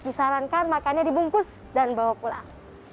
disarankan makannya dibungkus dan bawa pulang